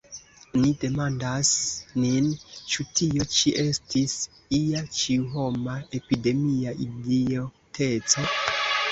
ni demandas nin; ĉu tio ĉi estis ia ĉiuhoma epidemia idioteco?